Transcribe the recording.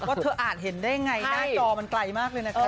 ว่าเธออาจเห็นได้ไงหน้าจอมันไกลมากเลยนะคะ